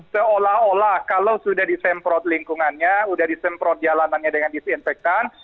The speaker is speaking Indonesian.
seolah olah kalau sudah disemprot lingkungannya sudah disemprot jalanannya dengan disinfektan